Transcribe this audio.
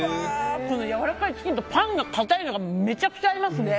やわらかいチキンとパンが硬いのがめちゃくちゃ合いますね！